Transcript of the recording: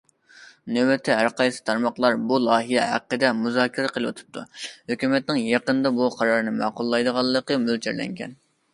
نۆۋەتتە ھەرقايسى تارماقلار بۇ لايىھە ھەققىدە مۇزاكىرە قىلىۋېتىپتۇ، ھۆكۈمەتنىڭ يېقىندا بۇ قارارنى ماقۇللايدىغانلىقى مۆلچەرلەنگەن.